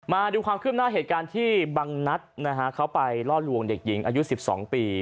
มาดูความคืบหน้าเหตุการณ์ที่บังนัดนะฮะเขาไปล่อลวงเด็กหญิงอายุ๑๒ปี